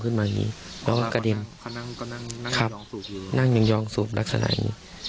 ขนังก็นั่งนั่งอย่างยองสูบอยู่ครับนั่งอย่างยองสูบลักษณะอย่างงี้